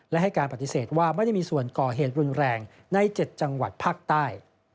และให้การปฏิเสธว่าไม่ได้มีส่วนก่อเหตุรุนแรงใน๗จังหวัดภาคใต้